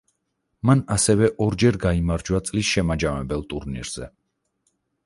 მან ასევე ორჯერ გაიმარჯვა წლის შემაჯამებელ ტურნირზე.